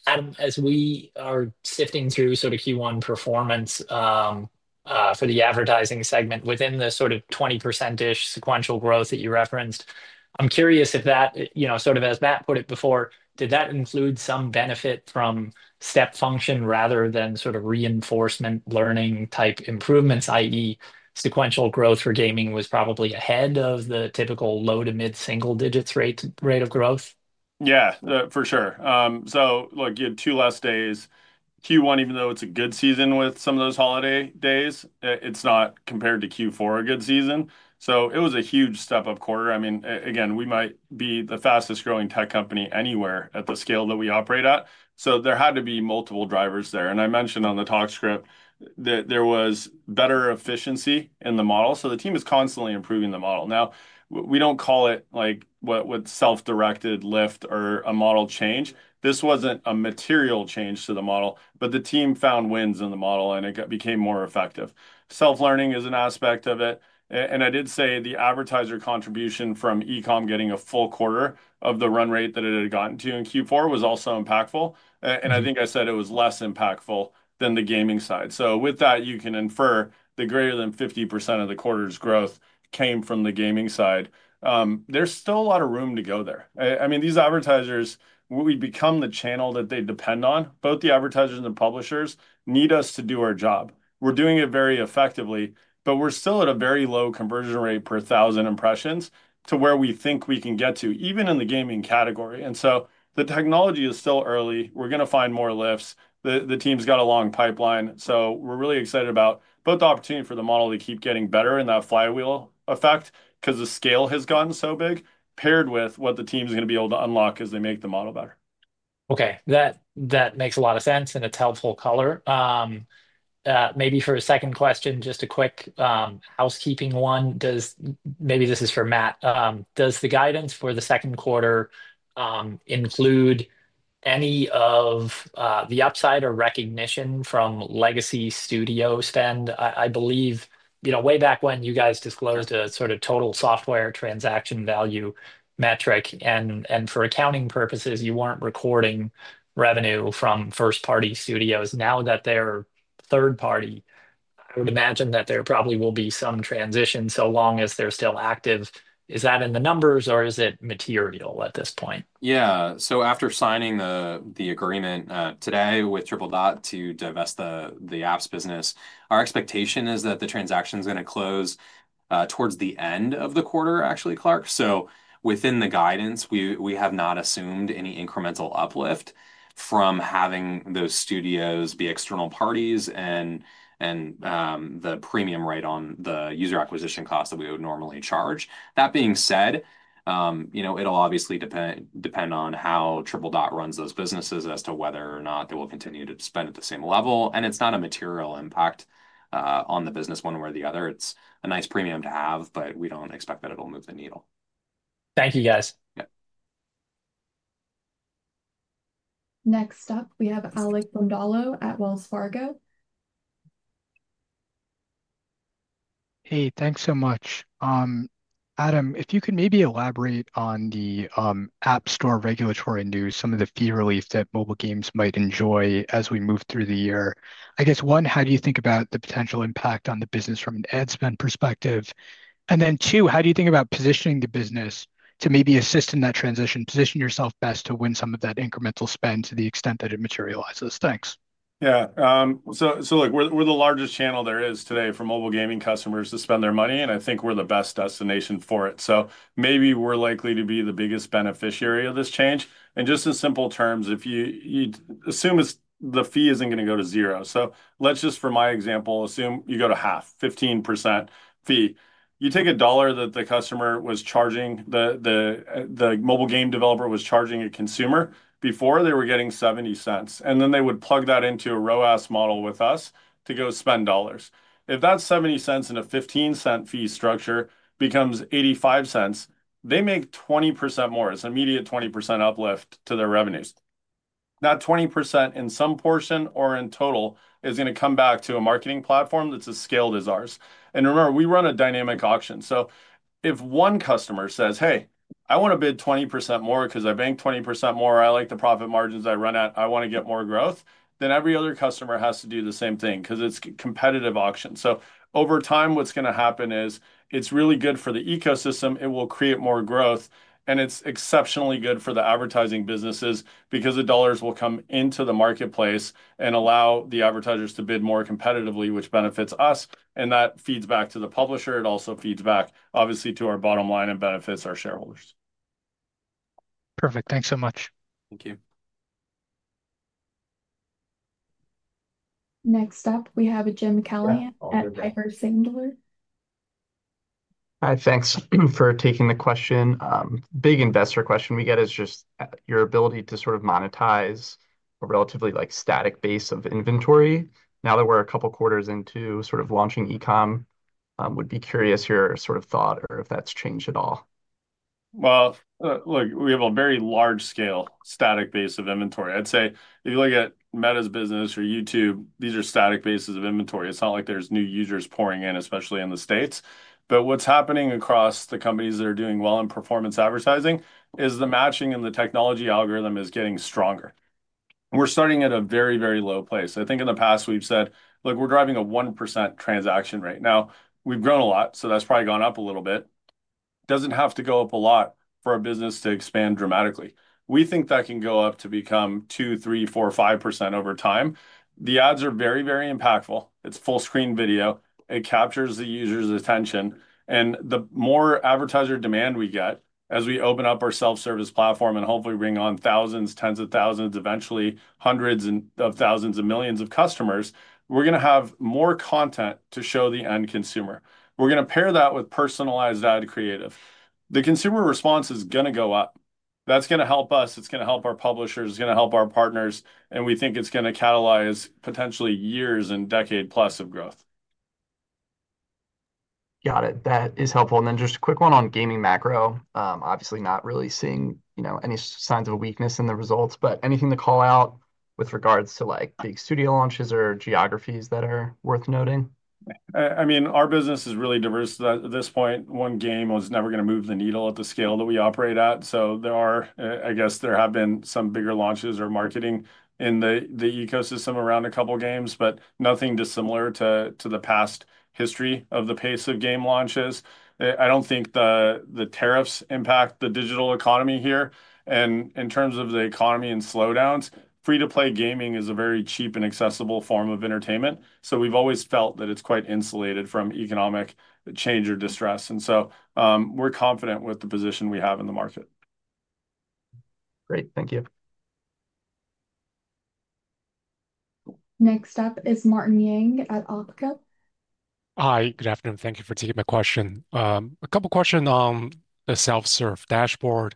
Adam, as we are sifting through sort of Q1 performance for the advertising segment within the sort of 20% sequential growth that you referenced, I'm curious if that, sort of as Matt put it before, did that include some benefit from step function rather than sort of reinforcement learning type improvements, i.e., sequential growth for gaming was probably ahead of the typical low to mid single digits rate of growth? Yeah, for sure. Look, you had two less days. Q1, even though it's a good season with some of those holiday days, it's not compared to Q4 a good season. It was a huge step up quarter. I mean, again, we might be the fastest growing tech company anywhere at the scale that we operate at. There had to be multiple drivers there. I mentioned on the talk script that there was better efficiency in the model. The team is constantly improving the model. Now, we don't call it like with self-directed lift or a model change. This wasn't a material change to the model, but the team found wins in the model, and it became more effective. Self-learning is an aspect of it. I did say the advertiser contribution from e-com getting a full quarter of the run rate that it had gotten to in Q4 was also impactful. I think I said it was less impactful than the gaming side. With that, you can infer the greater than 50% of the quarter's growth came from the gaming side. There's still a lot of room to go there. I mean, these advertisers, we become the channel that they depend on. Both the advertisers and the publishers need us to do our job. We're doing it very effectively, but we're still at a very low conversion rate per thousand impressions to where we think we can get to, even in the gaming category. The technology is still early. We're going to find more lifts. The team's got a long pipeline. We're really excited about both the opportunity for the model to keep getting better and that flywheel effect because the scale has gotten so big, paired with what the team's going to be able to unlock as they make the model better. Okay. That makes a lot of sense, and it's helpful color. Maybe for a second question, just a quick housekeeping one. Maybe this is for Matt. Does the guidance for the second quarter include any of the upside or recognition from legacy studio spend? I believe way back when you guys disclosed a sort of total software transaction value metric, and for accounting purposes, you were not recording revenue from first-party studios. Now that they are third-party, I would imagine that there probably will be some transition so long as they are still active. Is that in the numbers, or is it material at this point? Yeah. After signing the agreement today with Triple Dot to divest the apps business, our expectation is that the transaction is going to close towards the end of the quarter, actually, Clark. Within the guidance, we have not assumed any incremental uplift from having those studios be external parties and the premium rate on the user acquisition cost that we would normally charge. That being said, it will obviously depend on how Triple Dot runs those businesses as to whether or not they will continue to spend at the same level. It is not a material impact on the business one way or the other. It is a nice premium to have, but we do not expect that it will move the needle. Thank you, guys. Next up, we have Alec Brondolo at Wells Fargo. Hey, thanks so much. Adam, if you could maybe elaborate on the App Store regulatory news, some of the fee relief that mobile games might enjoy as we move through the year. I guess, one, how do you think about the potential impact on the business from an ad spend perspective? Two, how do you think about positioning the business to maybe assist in that transition, position yourself best to win some of that incremental spend to the extent that it materializes? Thanks. Yeah. So we're the largest channel there is today for mobile gaming customers to spend their money, and I think we're the best destination for it. Maybe we're likely to be the biggest beneficiary of this change. Just in simple terms, if you assume the fee isn't going to go to zero. For my example, assume you go to half, 15% fee. You take a dollar that the customer was charging, the mobile game developer was charging a consumer before, they were getting $0.70. Then they would plug that into a ROAS model with us to go spend dollars. If that $0.70 in a 15% fee structure becomes $0.85, they make 20% more. It's an immediate 20% uplift to their revenues. That 20% in some portion or in total is going to come back to a marketing platform that's as scaled as ours. Remember, we run a dynamic auction. If one customer says, "Hey, I want to bid 20% more because I bank 20% more. I like the profit margins I run at. I want to get more growth," then every other customer has to do the same thing because it's a competitive auction. Over time, what's going to happen is it's really good for the ecosystem. It will create more growth. It's exceptionally good for the advertising businesses because the dollars will come into the marketplace and allow the advertisers to bid more competitively, which benefits us. That feeds back to the publisher. It also feeds back, obviously, to our bottom line and benefits our shareholders. Perfect. Thanks so much. Thank you. Next up, we have Jim Kelly at Davidson Kempner. Hi. Thanks for taking the question. Big investor question we get is just your ability to sort of monetize a relatively static base of inventory. Now that we're a couple of quarters into sort of launching E-com, would be curious your sort of thought or if that's changed at all. Look, we have a very large scale static base of inventory. I'd say if you look at Meta's business or YouTube, these are static bases of inventory. It's not like there's new users pouring in, especially in the U.S. What's happening across the companies that are doing well in performance advertising is the matching and the technology algorithm is getting stronger. We're starting at a very, very low place. I think in the past, we've said, "Look, we're driving a 1% transaction rate." Now, we've grown a lot, so that's probably gone up a little bit. It doesn't have to go up a lot for a business to expand dramatically. We think that can go up to become 2%, 3%, 4%, 5% over time. The ads are very, very impactful. It's full-screen video. It captures the user's attention. The more advertiser demand we get as we open up our self-service platform and hopefully bring on thousands, tens of thousands, eventually hundreds of thousands of millions of customers, we're going to have more content to show the end consumer. We're going to pair that with personalized ad creative. The consumer response is going to go up. That is going to help us. It is going to help our publishers. It is going to help our partners. We think it is going to catalyze potentially years and decade-plus of growth. Got it. That is helpful. And then just a quick one on gaming macro. Obviously, not really seeing any signs of a weakness in the results, but anything to call out with regards to big studio launches or geographies that are worth noting? I mean, our business is really diverse at this point. One game was never going to move the needle at the scale that we operate at. I guess there have been some bigger launches or marketing in the ecosystem around a couple of games, but nothing dissimilar to the past history of the pace of game launches. I do not think the tariffs impact the digital economy here. In terms of the economy and slowdowns, free-to-play gaming is a very cheap and accessible form of entertainment. We have always felt that it is quite insulated from economic change or distress. We are confident with the position we have in the market. Great. Thank you. Next up is Martin Yang at Oppenheimer. Hi. Good afternoon. Thank you for taking my question. A couple of questions on the self-serve dashboard.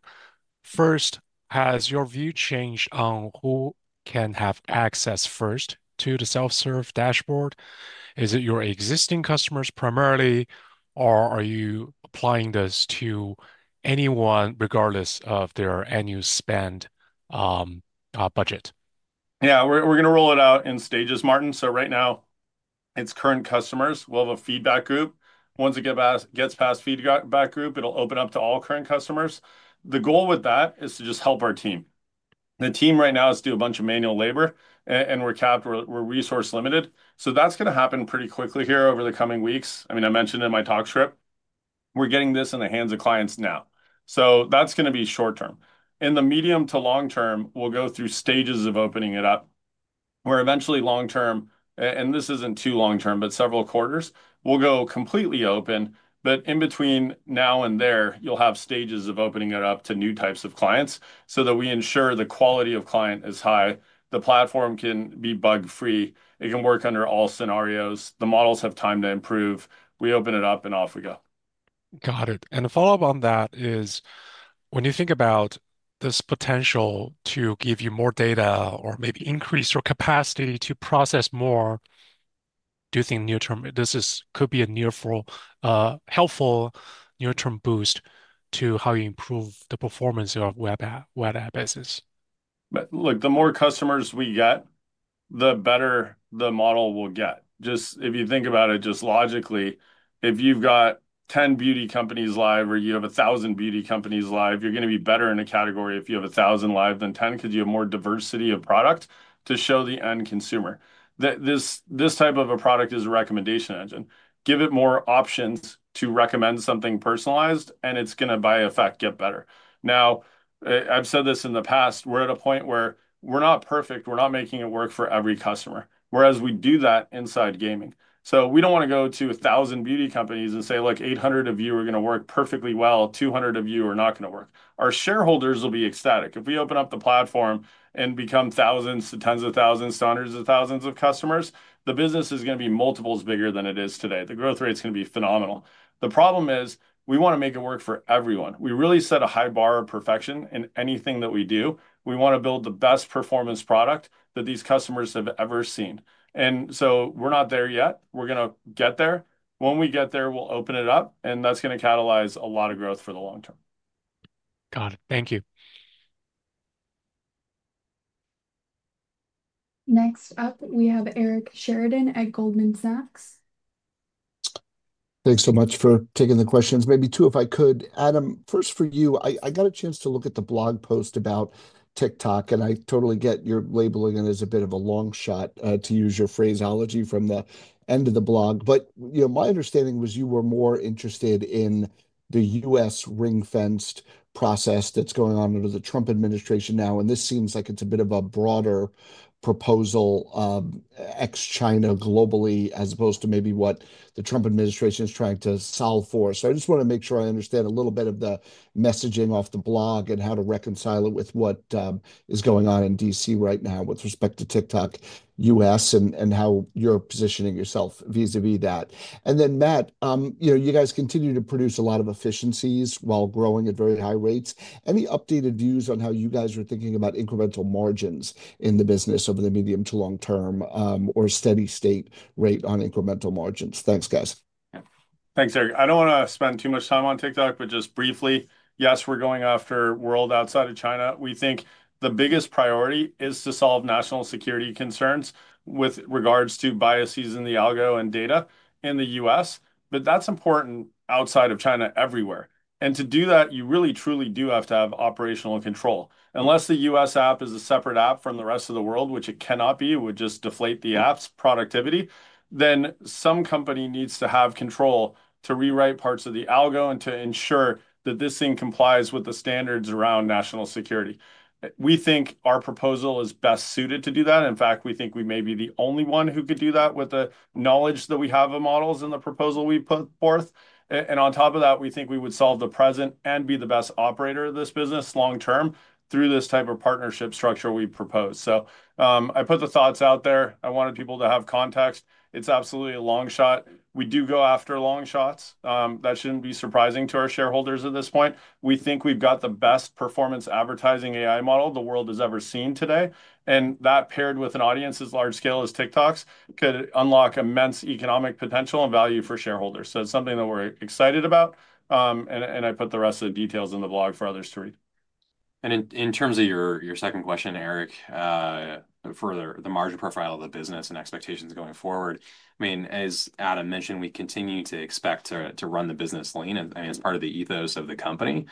First, has your view changed on who can have access first to the self-serve dashboard? Is it your existing customers primarily, or are you applying this to anyone regardless of their annual spend budget? Yeah. We're going to roll it out in stages, Martin. Right now, it's current customers. We'll have a feedback group. Once it gets past feedback group, it'll open up to all current customers. The goal with that is to just help our team. The team right now is to do a bunch of manual labor, and we're capped. We're resource-limited. That's going to happen pretty quickly here over the coming weeks. I mean, I mentioned in my talk script, we're getting this in the hands of clients now. That's going to be short-term. In the medium to long-term, we'll go through stages of opening it up, where eventually long-term, and this isn't too long-term, but several quarters, we'll go completely open. In between now and there, you'll have stages of opening it up to new types of clients so that we ensure the quality of client is high. The platform can be bug-free. It can work under all scenarios. The models have time to improve. We open it up, and off we go. Got it. A follow-up on that is, when you think about this potential to give you more data or maybe increase your capacity to process more, do you think this could be a helpful near-term boost to how you improve the performance of web ad bases? Look, the more customers we get, the better the model will get. Just if you think about it just logically, if you've got 10 beauty companies live or you have 1,000 beauty companies live, you're going to be better in a category if you have 1,000 live than 10 because you have more diversity of product to show the end consumer. This type of a product is a recommendation engine. Give it more options to recommend something personalized, and it's going to, by effect, get better. Now, I've said this in the past. We're at a point where we're not perfect. We're not making it work for every customer, whereas we do that inside gaming. We don't want to go to 1,000 beauty companies and say, "Look, 800 of you are going to work perfectly well. 200 of you are not going to work." Our shareholders will be ecstatic. If we open up the platform and become thousands to tens of thousands to hundreds of thousands of customers, the business is going to be multiples bigger than it is today. The growth rate's going to be phenomenal. The problem is we want to make it work for everyone. We really set a high bar of perfection in anything that we do. We want to build the best performance product that these customers have ever seen. We're not there yet. We're going to get there. When we get there, we'll open it up, and that's going to catalyze a lot of growth for the long term. Got it. Thank you. Next up, we have Eric Sheridan at Goldman Sachs. Thanks so much for taking the questions. Maybe two, if I could. Adam, first for you. I got a chance to look at the blog post about TikTok, and I totally get your labeling it as a bit of a long shot, to use your phraseology, from the end of the blog. My understanding was you were more interested in the U.S. ring-fenced process that's going on under the Trump administration now. This seems like it's a bit of a broader proposal ex-China globally as opposed to maybe what the Trump administration is trying to solve for. I just want to make sure I understand a little bit of the messaging off the blog and how to reconcile it with what is going on in Washington D.C. right now with respect to TikTok U.S. and how you're positioning yourself vis-à-vis that. Matt, you guys continue to produce a lot of efficiencies while growing at very high rates. Any updated views on how you guys are thinking about incremental margins in the business over the medium to long-term or steady-state rate on incremental margins? Thanks, guys. Thanks, Eric. I don't want to spend too much time on TikTok, but just briefly, yes, we're going after world outside of China. We think the biggest priority is to solve national security concerns with regards to biases in the algo and data in the U.S. That is important outside of China everywhere. To do that, you really, truly do have to have operational control. Unless the U.S. app is a separate app from the rest of the world, which it cannot be, it would just deflate the app's productivity, then some company needs to have control to rewrite parts of the algo and to ensure that this thing complies with the standards around national security. We think our proposal is best suited to do that. In fact, we think we may be the only one who could do that with the knowledge that we have of models in the proposal we put forth. On top of that, we think we would solve the present and be the best operator of this business long-term through this type of partnership structure we propose. I put the thoughts out there. I wanted people to have context. It's absolutely a long shot. We do go after long shots. That shouldn't be surprising to our shareholders at this point. We think we've got the best performance advertising AI model the world has ever seen today. That, paired with an audience as large scale as TikTok's, could unlock immense economic potential and value for shareholders. It's something that we're excited about. I put the rest of the details in the blog for others to read. In terms of your second question, Eric, for the margin profile of the business and expectations going forward, I mean, as Adam mentioned, we continue to expect to run the business lean. I mean, it's part of the ethos of the company.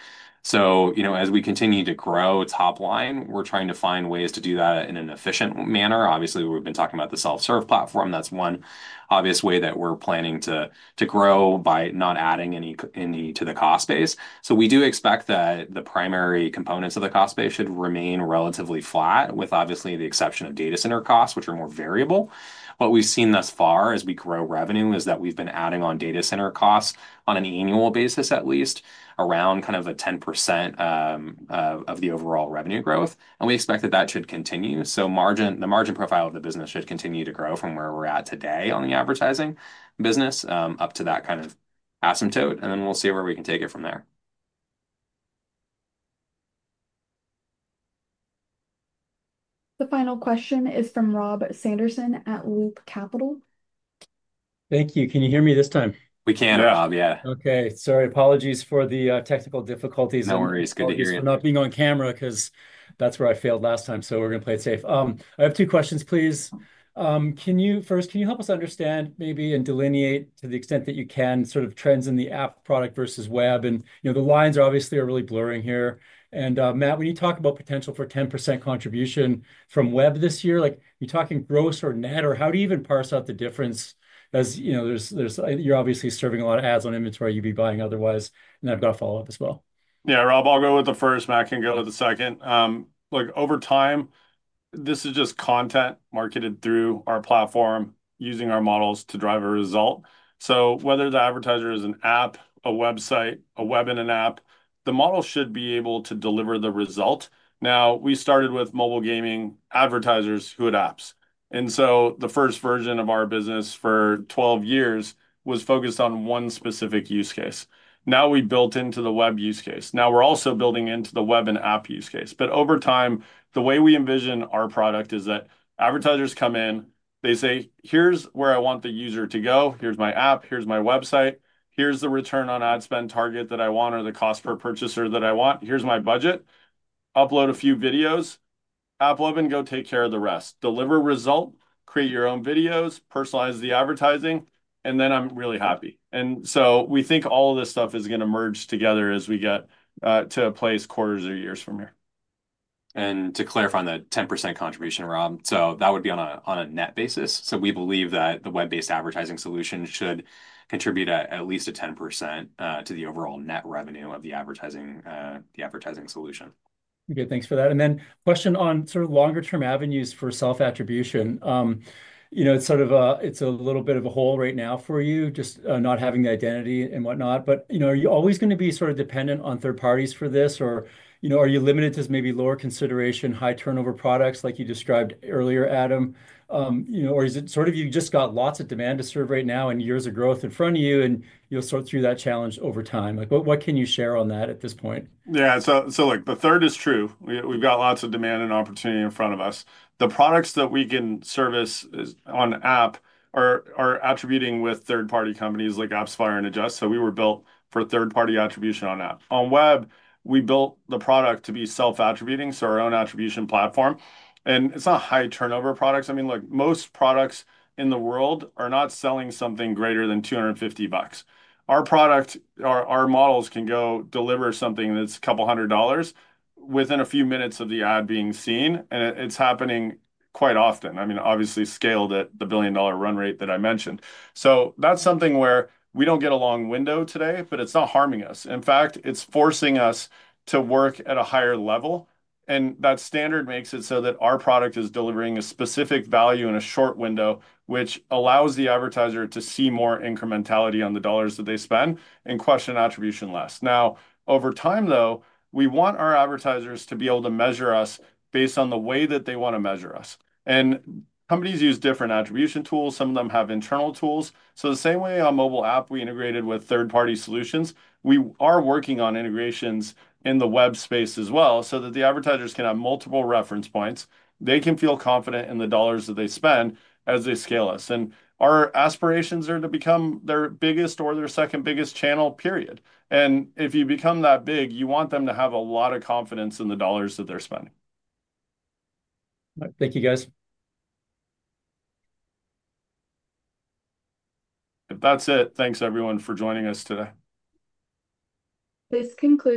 As we continue to grow topline, we're trying to find ways to do that in an efficient manner. Obviously, we've been talking about the self-serve platform. That's one obvious way that we're planning to grow by not adding any to the cost base. We do expect that the primary components of the cost base should remain relatively flat, with obviously the exception of data center costs, which are more variable. What we've seen thus far as we grow revenue is that we've been adding on data center costs on an annual basis, at least around kind of a 10% of the overall revenue growth. We expect that that should continue. The margin profile of the business should continue to grow from where we are at today on the advertising business up to that kind of asymptote. We will see where we can take it from there. The final question is from Rob Sanderson at Loop Capital. Thank you. Can you hear me this time? We can, Rob. Yeah. Okay. Sorry. Apologies for the technical difficulties. No worries. Good to hear you. I'm not being on camera because that's where I failed last time. So we're going to play it safe. I have two questions, please. First, can you help us understand maybe and delineate to the extent that you can sort of trends in the app product versus web? The lines are obviously really blurring here. And Matt, when you talk about potential for 10% contribution from web this year, are you talking gross or net? Or how do you even parse out the difference? You're obviously serving a lot of ads on inventory you'd be buying otherwise. I've got a follow-up as well. Yeah, Rob, I'll go with the first. Matt can go with the second. Look, over time, this is just content marketed through our platform using our models to drive a result. Whether the advertiser is an app, a website, a web in an app, the model should be able to deliver the result. We started with mobile gaming advertisers who had apps. The first version of our business for 12 years was focused on one specific use case. We built into the web use case. We are also building into the web and app use case. Over time, the way we envision our product is that advertisers come in, they say, "Here's where I want the user to go. Here's my app. Here's my website. Here's the return on ad spend target that I want or the cost per purchaser that I want. Here's my budget. Upload a few videos. App web and go take care of the rest. Deliver result. Create your own videos. Personalize the advertising. I am really happy. We think all of this stuff is going to merge together as we get to a place quarters or years from here. To clarify on that 10% contribution, Rob, that would be on a net basis. We believe that the web-based advertising solution should contribute at least 10% to the overall net revenue of the advertising solution. Okay. Thanks for that. Then question on sort of longer-term avenues for self-attribution. It is sort of a little bit of a hole right now for you, just not having the identity and whatnot. Are you always going to be sort of dependent on third parties for this? Are you limited to maybe lower consideration, high turnover products like you described earlier, Adam? Is it sort of you just got lots of demand to serve right now and years of growth in front of you, and you will sort through that challenge over time? What can you share on that at this point? Yeah. Look, the third is true. We've got lots of demand and opportunity in front of us. The products that we can service on app are attributing with third-party companies like AppsFlyer and Adjust. We were built for third-party attribution on app. On web, we built the product to be self-attributing, so our own attribution platform. It's not high turnover products. I mean, most products in the world are not selling something greater than $250. Our models can go deliver something that's a couple hundred dollars within a few minutes of the ad being seen. It's happening quite often. Obviously scaled at the billion-dollar run rate that I mentioned. That's something where we don't get a long window today, but it's not harming us. In fact, it's forcing us to work at a higher level. That standard makes it so that our product is delivering a specific value in a short window, which allows the advertiser to see more incrementality on the dollars that they spend and question attribution less. Now, over time, though, we want our advertisers to be able to measure us based on the way that they want to measure us. Companies use different attribution tools. Some of them have internal tools. The same way on mobile app, we integrated with third-party solutions, we are working on integrations in the web space as well so that the advertisers can have multiple reference points. They can feel confident in the dollars that they spend as they scale us. Our aspirations are to become their biggest or their second biggest channel, period. If you become that big, you want them to have a lot of confidence in the dollars that they're spending. Thank you, guys. That's it. Thanks, everyone, for joining us today. This concludes.